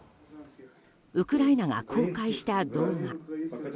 ウクライナが公開した動画。